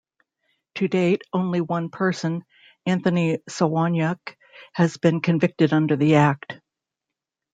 To date only one person, Anthony Sawoniuk, has been convicted under the Act.